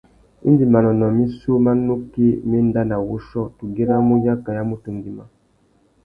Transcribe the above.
Indi manônōh missú má nukí mà enda nà wuchiô, tu güiramú yaka ya mutu ngüimá.